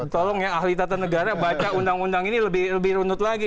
tolong ya ahli tata negara baca undang undang ini lebih runtut lagi